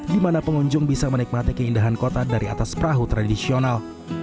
di mana pengunjung bisa menikmati keindahan kota dari atas perahu tradisional